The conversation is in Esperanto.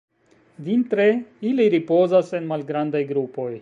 Vintre, ili ripozas en malgrandaj grupoj.